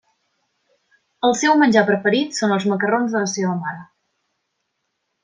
El seu menjar preferit són els macarrons de la seva mare.